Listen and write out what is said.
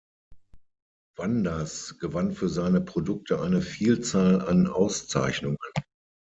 Wanders gewann für seine Produkte eine Vielzahl an Auszeichnungen.